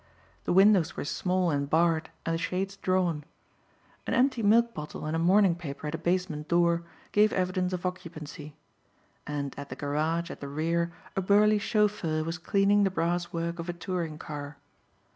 The windows were small and barred and the shades drawn. An empty milk bottle and a morning paper at a basement door gave evidence of occupancy. And at the garage at the rear a burly chauffeur was cleaning the brass work of a touring car.